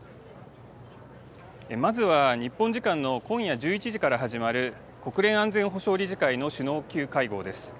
まずは日本時間の今夜１１時から始まる、国連安全保障理事会の首脳級会合です。